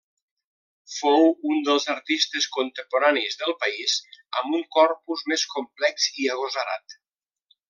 Fou un dels artistes contemporanis del país amb un corpus més complex i agosarat.